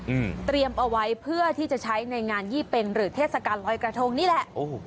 อืมเตรียมเอาไว้เพื่อที่จะใช้ในงานยี่เป็งหรือเทศกาลลอยกระทงนี่แหละโอ้โห